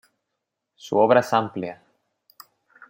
Su obra es amplia.